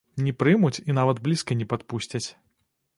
Не прымуць і нават блізка не падпусцяць.